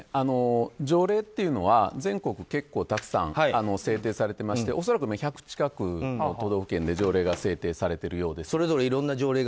条例というのは、全国で結構たくさん制定されていまして恐らく１００近くの都道府県で条例が制定されているようです。